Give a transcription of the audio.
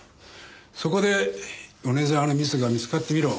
そこで米沢のミスが見つかってみろ。